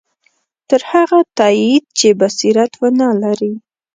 تر هغه تایید چې بصیرت ونه لري.